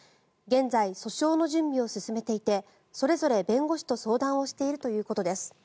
現在、訴訟の準備を進めていてそれぞれ弁護士と相談をしているということです。